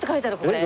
これ。